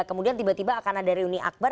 kemudian tiba tiba akan ada reuni akbar